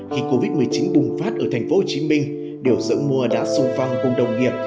khi covid một mươi chín bùng phát ở tp hcm điều dưỡng mua đã sung phong cùng đồng nghiệp